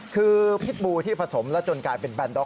คือพิษบูที่ผสมแล้วจนกลายเป็นแนนด็อก